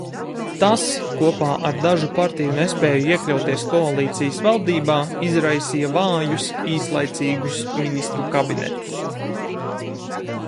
Tas, kopā ar dažu partiju nespēju iekļauties koalīcijas valdībā, izraisīja vājus, īslaicīgus ministru kabinetus.